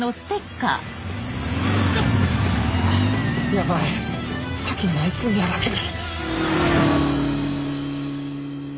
ヤバい先にあいつに殺られる。